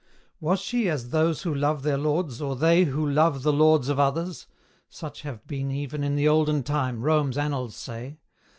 Was she as those who love their lords, or they Who love the lords of others? such have been Even in the olden time, Rome's annals say.